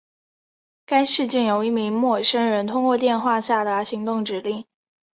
该事件由一名陌生人通过电话下达行动指令。